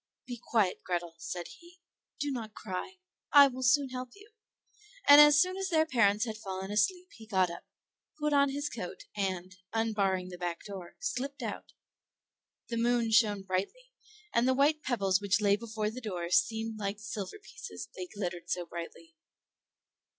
"Be quiet, Grethel," said he; "do not cry, I will soon help you." And as soon as their parents had fallen asleep, he got up, put on his coat, and, unbarring the back door, slipped out. The moon shone brightly, and the white pebbles which lay before the door seemed like silver pieces, they glittered so brightly.